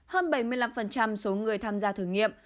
hơn bảy mươi năm số người tham gia thử nghiệm